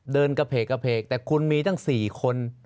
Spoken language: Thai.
เดินกระเพกแต่คุณมีทั้ง๔คน